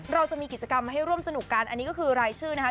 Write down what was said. เราจะมีกิจกรรมให้ร่วมสนุกกันอันนี้ก็คือรายชื่อนะคะ